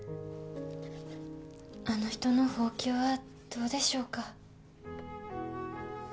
あの人の箒はどうでしょうか？